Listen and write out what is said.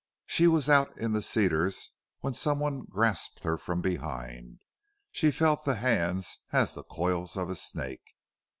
She was out in the cedars when someone grasped her from behind. She felt the hands as the coils of a snake.